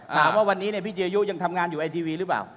ถามว่าวันนี้พี่เจยุยังทำงานอยู่ไอทีวีหรือเปล่า